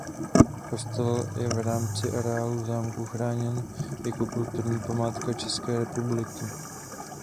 Kostel je v rámci areálu zámku chráněn jako kulturní památka České republiky.